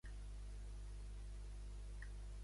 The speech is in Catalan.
A un simple cudol modelat per les marees.